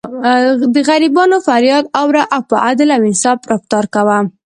د غریبانو فریاد اوره او په عدل او انصاف رفتار کوه.